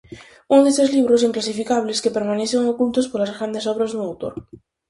Un deses libros inclasificables que permanecen ocultos polas grandes obras dun autor.